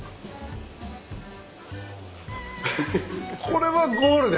これは。